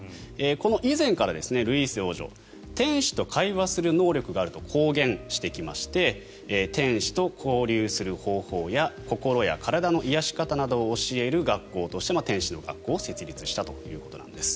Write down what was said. この以前からルイーセ王女天使と会話する能力があると公言してきまして天使と交流する方法や心や体の癒やし方などを教える学校として天使の学校を設立したということです。